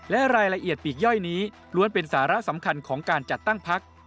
และรายละเอียดปีกย่อยนี้ล้วนเป็นสาระสำคัญของการจัดตั้งพัก